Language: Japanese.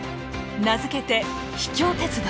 名付けて「秘境鉄道」。